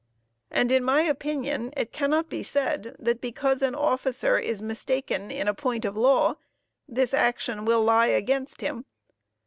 "And in my opinion, it cannot be said, that because an officer is mistaken in a point of law, this action will lie against him....